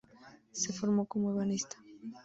Se formó como ebanista.